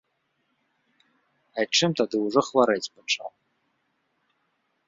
Айчым тады ўжо хварэць пачаў.